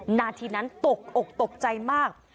นาทีนั้นตกอกตกใจมาก